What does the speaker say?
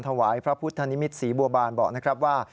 ถวายพระพุทธนิมิตรศรีบัวบานบอกนะครับว่า